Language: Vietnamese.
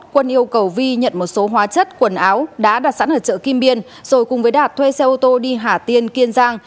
quân yêu cầu vi nhận một số hóa chất quần áo đã đặt sẵn ở chợ kim biên rồi cùng với đạt thuê xe ô tô đi hà tiên kiên giang